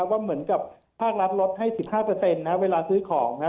ว่าเหมือนกับภาครัฐลดให้๑๕นะเวลาซื้อของนะครับ